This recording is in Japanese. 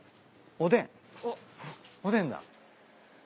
おでんだ。